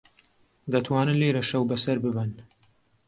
دەتوانن لێرە شەو بەسەر ببەن.